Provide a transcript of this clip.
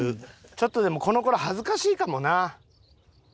ちょっとでもこの子ら恥ずかしいかもな。